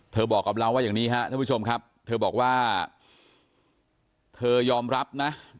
บอกกับเราว่าอย่างนี้ครับท่านผู้ชมครับเธอบอกว่าเธอยอมรับนะ